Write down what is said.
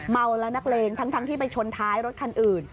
เมาและนักเลงทั้งที่ไปชนท้ายรถคันอื่น